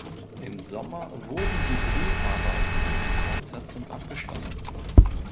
Im Sommer wurden die Dreharbeiten für die Fortsetzung abgeschlossen.